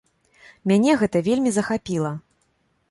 Мяне гэта вельмі захапіла.